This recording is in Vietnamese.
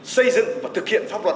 xây dựng và thực hiện pháp luật